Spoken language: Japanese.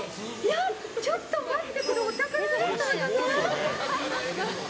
ちょっと待って。